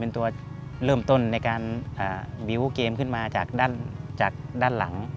เป็นตัวเริ่มต้นในการบิวต์เกมขึ้นมาจากด้านหลัง